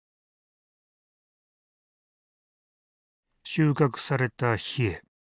収穫されたヒエ。